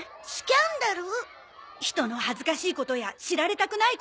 人の恥ずかしいことや知られたくないことさ。